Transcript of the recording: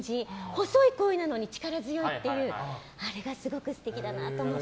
細い声なのに力強いっていうあれがすごく素敵だなと思って。